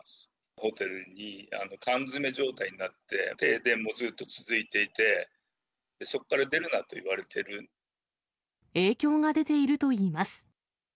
ホテルに缶詰め状態になって、停電もずっと続いていて、影響が出ているといいます。